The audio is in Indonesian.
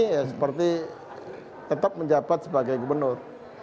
ya seperti tetap menjabat sebagai gubernur